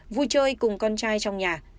vui chơi cùng con trai trong nhà